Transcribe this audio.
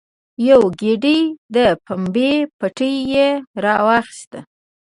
یوه ګېډۍ د پمبې پټی یې راواخیست.